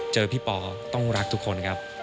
เจอพี่ปอต้องรักทุกคนครับ